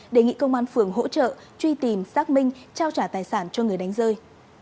đề nghị công an phường hỗ trợ truy tìm xác minh trao trả tài sản cho người đánh rơi